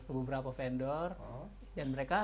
beberapa vendor dan mereka